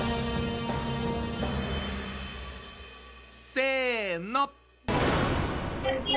せの。